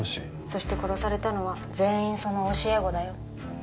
そして殺されたのは全員その教え子だよ